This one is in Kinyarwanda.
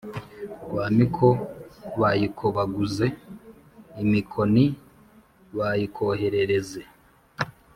rwamiko/ bayikobaguze imikoni/ bayikoherereze